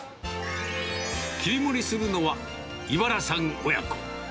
切り盛りするのは、茨さん親子。